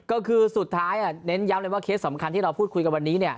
ก็คือสุดท้ายเน้นย้ำเลยว่าเคสสำคัญที่เราพูดคุยกับวันนี้